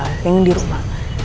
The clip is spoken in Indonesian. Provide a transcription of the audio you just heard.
yang yang di rumah